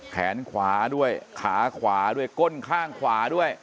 แขนขวาด้วยขาขวาด้วยก้นข้างขวาด้วย